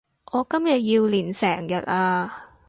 我今日要練成日呀